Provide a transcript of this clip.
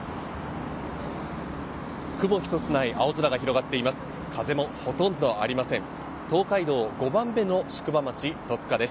雲一つない、青空が広がっています。